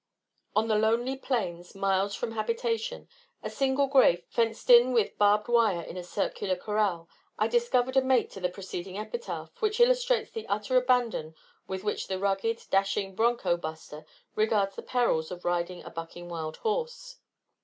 On the lonely plains, miles from habitation, a single grave fenced in with barbed wire in a circular corral, I discovered a mate to the preceding epitaph, which illustrates the utter abandon with which the rugged, dashing "bronco buster" regards the perils of riding a bucking wild horse.